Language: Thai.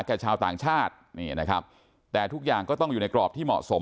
ชาวต่างชาตินี่นะครับแต่ทุกอย่างก็ต้องอยู่ในกรอบที่เหมาะสม